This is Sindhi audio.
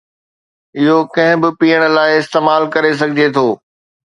اهو ڪنهن به پيئڻ لاء استعمال ڪري سگهجي ٿو.